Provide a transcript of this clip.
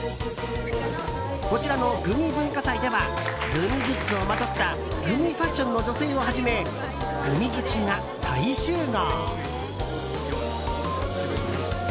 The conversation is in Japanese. こちらのグミ文化祭ではグミグッズをまとったグミファッションの女性をはじめグミ好きが大集合。